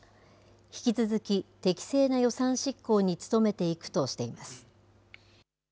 引き続き適正な予算執行に努めていくとしています。